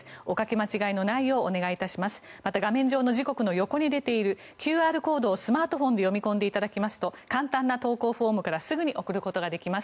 また、画面上の時刻の横に出ているＱＲコードをスマートフォンで読み込んでいただきますと簡単な投稿フォームからすぐに送ることができます。